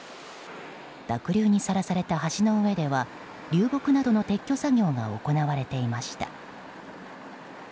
濁流にさらされた橋の上では流木などの撤去作業が行われていました。